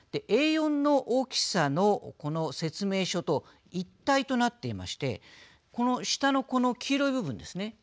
Ａ４の大きさの説明書と一体となっていまして下の黄色い部分ですね。